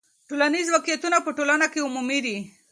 ټولنیز واقعیتونه په ټولنه کې عمومي دي.